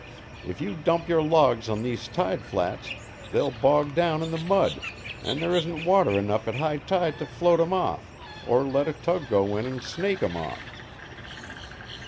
If you dump your logs on these tide flats, they'll bog down in the mud, and there isn't water enough at high tide to float 'em off or let a tug go in an' snake 'em off."